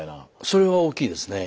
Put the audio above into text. それは大きいですね。